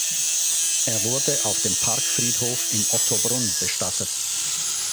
Er wurde auf dem Parkfriedhof in Ottobrunn bestattet.